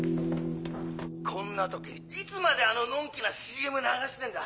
こんな時にいつまであののんきなＣＭ流してんだ